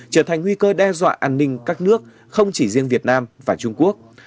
trở thành nguy cơ đe dọa an ninh các nước không chỉ riêng việt nam và trung quốc